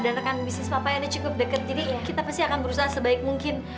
dan rekan bisnis bapak yang cukup deket jadi kita pasti akan berusaha sebaik mungkin